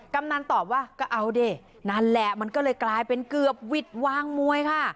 กำนันตอบว่าก็เอาดินั่นแหละมันก็เลยกลายเป็นเกือบวิทย์วางมวยค่ะ